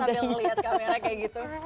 udah ngeliat kamera kayak gitu